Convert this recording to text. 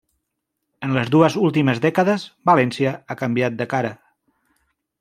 En les dues últimes dècades València ha canviat de cara.